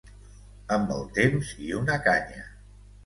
Amb el temps i una canya.